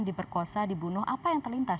diperkosa dibunuh apa yang terlintas